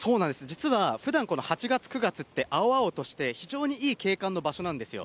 実はふだん、この８月、９月って青々として、非常にいい景観の場所なんですよ。